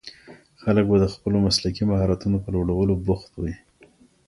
خلګ به د خپلو مسلکي مهارتونو په لوړولو بوخت وي.